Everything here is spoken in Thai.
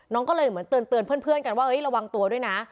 น้องก็เลยเหมือนเตือนเพื่อนกันว่าระวังตัวด้วยนะ